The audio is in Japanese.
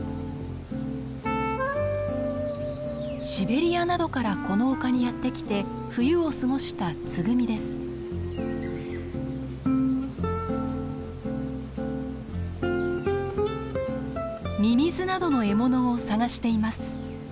シベリアなどからこの丘にやって来て冬を過ごしたミミズなどの獲物を探しています。